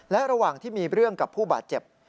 และระหว่างที่มีเรื่องกับผู้บาดเจ็บ